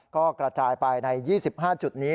ก็กระจายไปใน๒๕จุดนี้